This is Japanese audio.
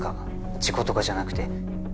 事故とかじゃなくて？